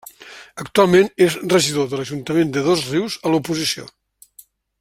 Actualment és regidor de l'Ajuntament de Dosrius a l'oposició.